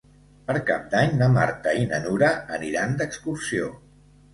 Per Cap d'Any na Marta i na Nura aniran d'excursió.